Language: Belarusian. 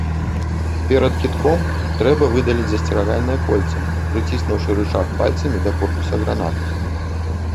Перад кідком трэба выдаліць засцерагальнае кольца, прыціснуўшы рычаг пальцамі да корпуса гранаты.